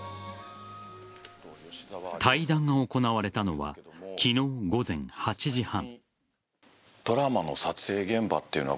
対談が行われたのは昨日午前８時半。